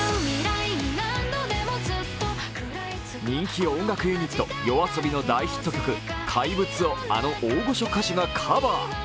人気音楽ユニット、ＹＯＡＳＯＢＩの大ヒット曲「怪物」をあの大御所歌手がカバー。